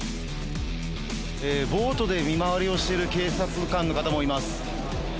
ボートで見回りをしてる警察官の方もいます。